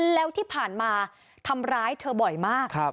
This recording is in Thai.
แล้วที่ผ่านมาทำร้ายเธอบ่อยมาก